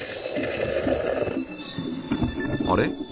あれ？